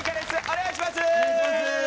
お願いします！